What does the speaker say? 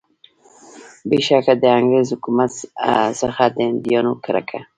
بېشکه د انګریز حکومت څخه د هندیانو کرکه.